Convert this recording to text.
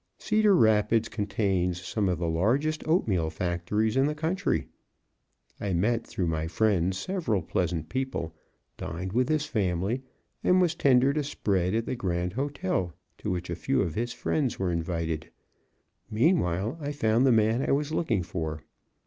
Cedar Rapids contains some of the largest oatmeal factories in the country. I met through my friend several pleasant people, dined with his family, and was tendered a spread at the Grand Hotel, to which a few of his friends were invited. Meanwhile I found the man I was looking for.